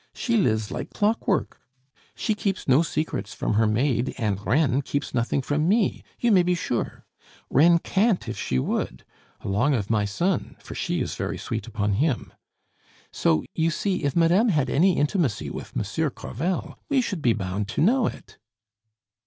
She lives like clockwork. She keeps no secrets from her maid, and Reine keeps nothing from me, you may be sure. Reine can't if she would along of my son, for she is very sweet upon him. So, you see, if madame had any intimacy with Monsieur Crevel, we should be bound to know it."